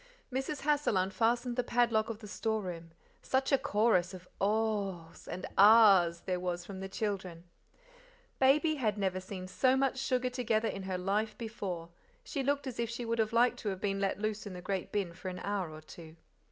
Mrs. Hassal unfastened the padlock of the store room. Such a chorus of "ohs!" and "ahs!" there was from the children! Baby had never seen so much sugar together in her life before; she looked as if she would have liked to have been let loose in the great bin for an hour or two.